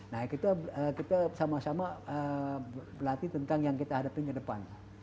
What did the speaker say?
nah kita sama sama berlatih tentang yang kita hadapi ke depan